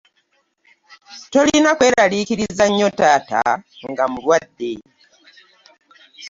Tolina kweralikiriza nnyo taata nga mulwadde.